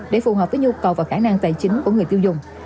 để phù hợp với nhu cầu và khả năng tài chính của người tiêu dùng